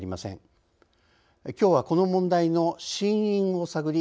きょうはこの問題の真因を探り